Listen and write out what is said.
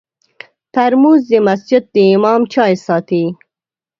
ترموز د مسجد د امام چای ساتي.